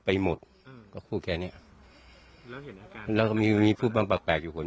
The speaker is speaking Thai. ไม่อยากให้แม่เป็นอะไรไปแล้วนอนร้องไห้แท่ทุกคืน